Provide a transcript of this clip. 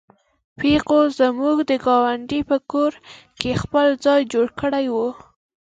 پيغو زموږ د ګاونډي په کور کې خپل ځای جوړ کړی و.